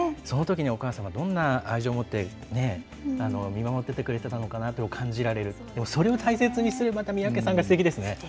そのときにお母様、どんな愛情を持って見守ってくれてたのかなというのが感じられる、それを大切にするまた三宅さんがすてきですね。